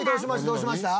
「どうしました？